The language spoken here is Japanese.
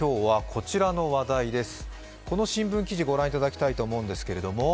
この新聞記事、ご覧いただきたいと思うんですけども。